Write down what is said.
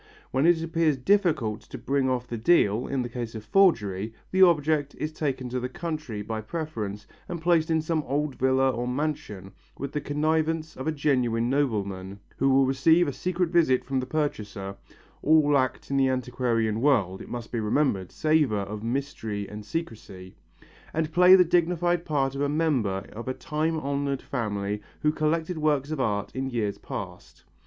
When it appears difficult to bring off the deal, in the case of forgery, the object is taken to the country by preference and placed in some old villa or mansion with the connivance of a genuine nobleman, who will receive a secret visit from the purchaser all acts in the antiquarian world, it must be remembered, savour of mystery and secrecy and play the dignified part of a member of a time honoured family who collected works of art in years past.